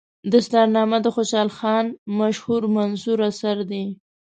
دستارنامه د خوشحال خان مشهور منثور اثر دی.